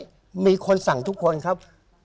ร่วงไว้ขัดมีคนสั่งทุกคนครับ